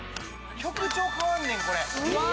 曲調変わんねんこれ・うわ！